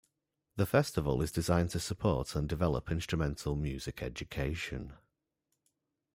The festival is designed to support and develop instrumental music education.